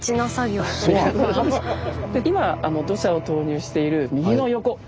今土砂を投入している右の横。